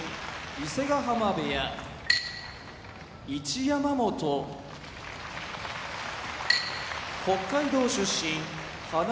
伊勢ヶ濱部屋一山本北海道出身放駒部屋